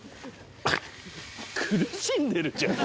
苦しんでるじゃん。